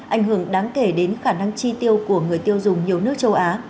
ảnh hưởng đáng kể đến khả năng chi tiêu của người tiêu dùng nhiều nước châu á